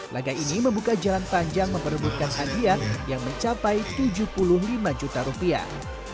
laga ini membuka jalan panjang memperebutkan hadiah yang mencapai tujuh puluh lima juta rupiah